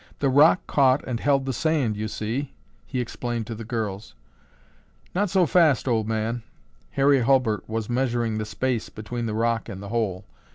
"The rock caught and held the sand, you see," he explained to the girls. "Not so fast, old man." Harry Hulbert was measuring the space between the rock and the hole.